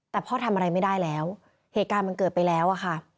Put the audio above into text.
แต่พ่อทำอะไรไม่ได้แล้วเหตุการณ์มันเกิดไปแล้วอะค่ะ